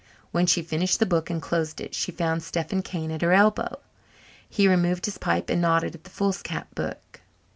When she finished the book and closed it she found Stephen Kane at her elbow. He removed his pipe and nodded at the foolscap book.